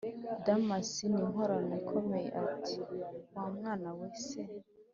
damas ninkorora ikomeye ati: wa mwana we se